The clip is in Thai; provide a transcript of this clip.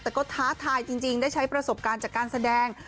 แต่ก็ท้าทายจริงได้ใช้ประสบการณ์จากการแสดง